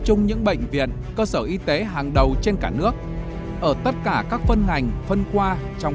chung những bệnh viện cơ sở y tế hàng đầu trên cả nước ở tất cả các phân ngành phân khoa trong